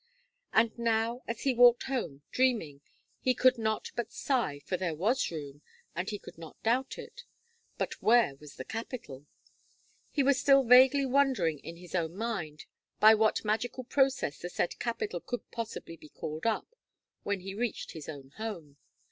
And now, as he walked home, dreaming, he could not but sigh, for there was room, he could not doubt it but where was the capital? He was still vaguely wondering in his own mind, by what magical process the said capital could possibly be called up, when he reached his own home.